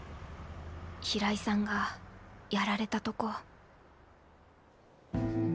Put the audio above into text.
平井さんがやられたとこ。